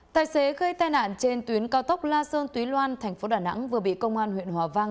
tài xế gây tai nạn trên tuyến cao tốc la sơn túy loan thành phố đà nẵng vừa bị công an huyện hòa vang